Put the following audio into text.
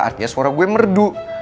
artinya suara gue merdu